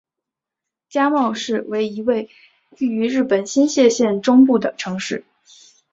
加茂市为一位于日本新舄县中部的城市。